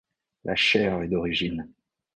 La chaire est d'origine.